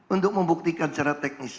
untuk membuktikan secara teknis